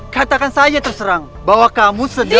katakan saja terserang bahwa kamu sedang